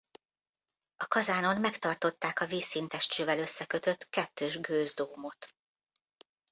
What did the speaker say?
A kazánon megtartották a vízszintes csővel összekötött kettős gőzdómot.